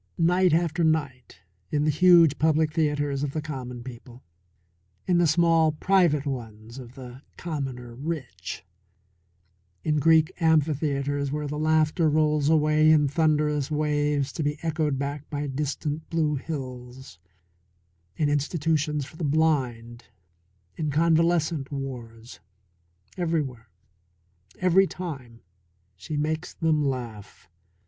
Night after night in the huge public theatres of the common people; in the small private ones of the commoner rich; in Greek amphitheatres where the laughter rolls away in thunderous waves to be echoed back by distant blue hills; in institutions for the blind; in convalescent wards; everywhere, every time, she makes them laugh.